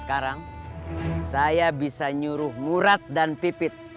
sekarang saya bisa nyuruh murad dan pipit